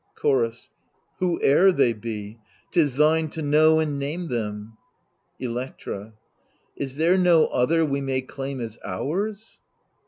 Chorus Whoe'er they be, 'tis thine to know and name them. Electra Is there no other we may claim as ours